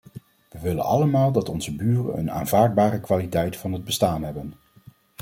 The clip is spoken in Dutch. We willen allemaal dat onze buren een aanvaardbare kwaliteit van het bestaan hebben.